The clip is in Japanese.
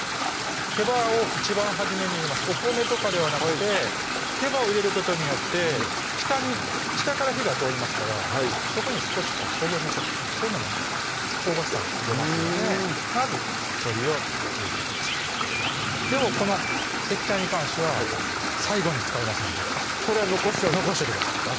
手羽を一番初めに入れますお米とかではなくて手羽を入れることによって下から火が通りますからそこに少し焦げ目とかそういうのも香ばしさも出ますのでまず鶏を入れてくださいでもこの液体に関しては最後に使いますのでこれは残しておく残しといてください